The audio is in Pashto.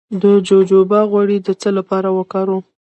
د جوجوبا غوړي د څه لپاره وکاروم؟